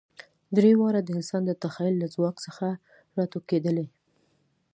درې واړه د انسان د تخیل له ځواک څخه راټوکېدلي.